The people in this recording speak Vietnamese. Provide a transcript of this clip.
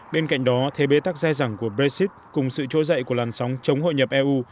bên cạnh đó thế bế tắc dai dẳng của brexit cùng sự trỗi dậy của làn sóng chống hội nhập eu